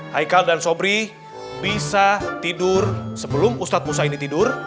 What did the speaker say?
haikal dan sobri bisa tidur sebelum ustadz musa ini tidur